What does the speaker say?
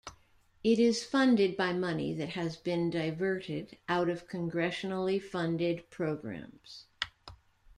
It is funded by money that has been diverted out of congressionally funded programs.